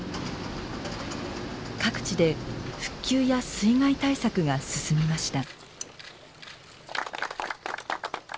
各地で復旧や水害対策が進みました。